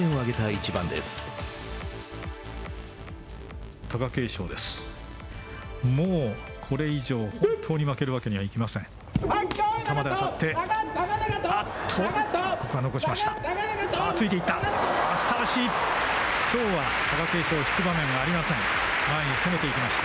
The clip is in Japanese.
あっと、ここは残しました。